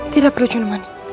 tidak perlu cunemani